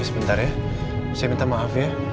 sebentar ya saya minta maaf ya